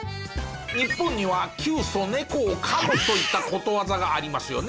日本には「窮鼠猫を噛む」といったことわざがありますよね。